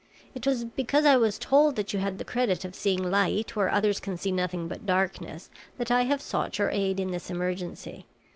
It was because I was told that you had the credit of seeing light where others can see nothing but darkness, that I have sought your aid in this emergency.